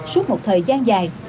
suốt một thời gian dài